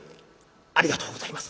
「ありがとうございます。